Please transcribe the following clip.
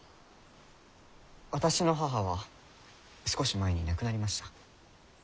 私の母は少し前に亡くなりました。